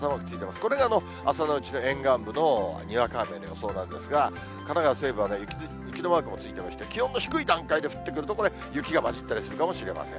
これが朝のうちの沿岸部のにわか雨の予想なんですが、神奈川西部は雪のマークもついてまして、気温の低い段階で降ってくるとこれ、雪も交じってくることもあるかもしれません。